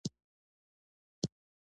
تواب په حيرانۍ وويل: